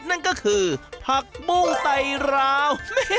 นั่นก็คือผักบุ้งไตรราว